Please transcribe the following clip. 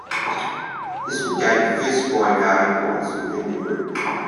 This would gain Fitzroy valued points within the group.